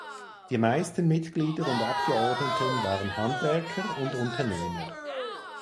Die meisten Mitglieder und Abgeordneten waren Handwerker und Unternehmer.